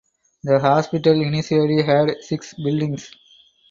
The hospital initially had six buildings.